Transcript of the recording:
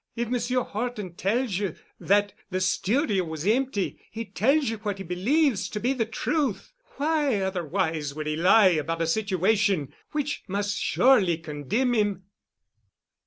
If Monsieur Horton tells you that the studio was empty, he tells you what he believes to be the truth. Why, otherwise, would he lie about a situation which must surely condemn him?"